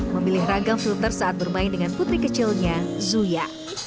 memilih ragam filter saat bermain dengan putri kecilnya zuya